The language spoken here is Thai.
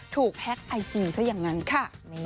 ถูกแฮคไอจีซ่ะอย่างนั้นค่ะ